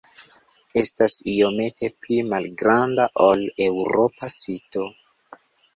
Estas iomete pli malgranda ol eŭropa sito.